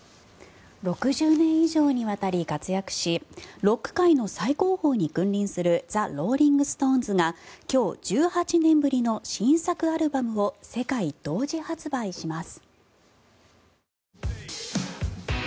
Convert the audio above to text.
６０年以上にわたり活躍しロック界の最高峰に君臨するザ・ローリング・ストーンズが今日、１８年ぶりの新作アルバムを世界同時発売します。